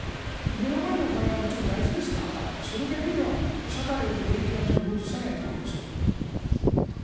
目の前のお金はもちろん大事ですがそれだけでは社会の元気は取り戻せないと思いますよ。